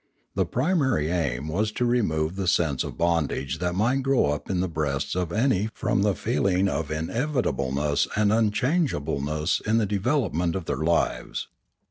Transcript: The primary aim was to remove the sense of bondage that might grow up in the breasts of any from the feeling of inevitableness and unchangeableness in the development of their lives.